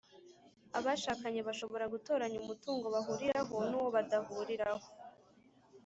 abashakanye bashobora gutoranya umutungo bahuriraho n’uwo badahuriraho.